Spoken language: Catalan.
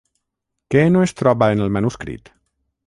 Què no es troba en el manuscrit?